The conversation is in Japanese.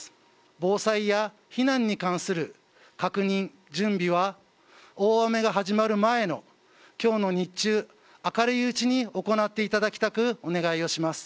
防災や避難に関する確認、準備は、大雨が始まる前のきょうの日中、明るいうちに行っていただきたくお願いをします。